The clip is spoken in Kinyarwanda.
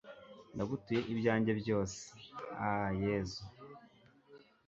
ndagutuye ibyanjye byose, ah yezu